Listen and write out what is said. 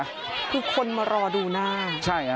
ก็คือคนมารอดูนาน่ะ